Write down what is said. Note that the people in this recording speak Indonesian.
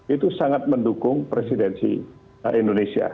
itu sangat mendukung presidensi indonesia